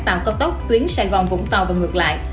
tàu cao tốc tuyến sài gòn vũng tàu và ngược lại